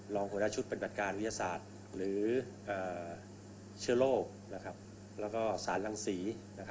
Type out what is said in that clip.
ลองกวนด้านชุดปฏิบัติการวิทยาศาสตร์หรือเชื้อโลกและสารลังสี